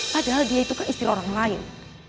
padahal dia itu kan istri orang lain